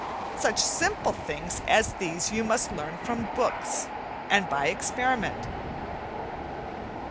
Such simple things as these you must learn from books and by experiment.